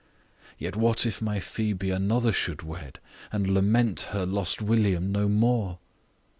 "Yet what if my Phoebe another should wed, And lament her lost William no more?"